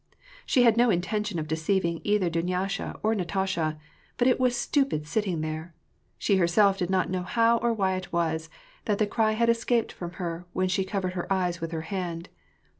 She had no intention of deceiving either Dunyasha or Na tasha, but it was stupid sitting there ! She herself did not know how or why it was that the cry had escaped from her when she covered her eyes with her hand.